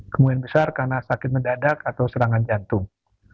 kemungkinan besar karena sakit mendadak atau serangan jantung